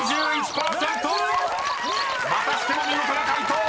［またしても見事な解答！